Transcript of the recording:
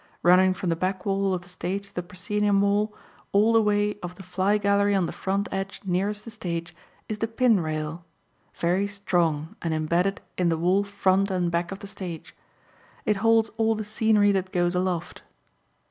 Running from the back wall of the stage to the proscenium wall all the way of the fly gallery on the front edge nearest the stage is the pin rail, very strong and imbedded in the wall front and back of the stage; it holds all the scenery that goes aloft.